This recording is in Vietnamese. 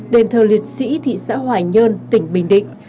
đền thờ liệt sĩ thị xã hoài nhơn tỉnh bình định